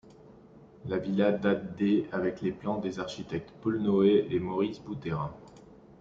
La villa date des avec les plans des architectes Paul Noë et Maurice Boutterin.